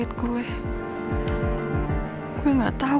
dia selalu ada di masa masa tersebut